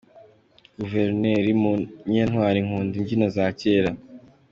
Guverineri Munyantwali: Nkunda imbyino za kera.